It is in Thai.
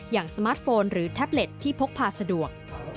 สมาร์ทโฟนหรือแท็บเล็ตที่พกพาสะดวก